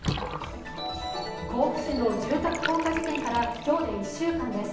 甲府市の住宅放火事件から今日で１週間です。